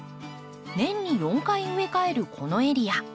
年に４回植え替えるこのエリア。